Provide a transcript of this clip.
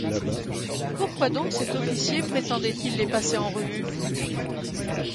Pourquoi donc cet officier prétendait-il les passer en revue?...